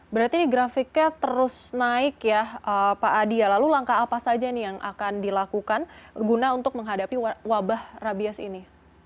berarti ini grafiknya terus naik ya pak adi lalu langkah apa saja nih yang akan dilakukan guna untuk menghadapi wabah rabies ini